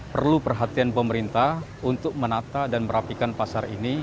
perlu perhatian pemerintah untuk menata dan merapikan pasar ini